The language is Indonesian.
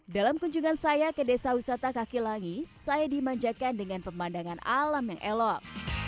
dalam kunjungan saya ke desa wisata kaki langit saya dimanjakan dengan pemandangan alam yang elok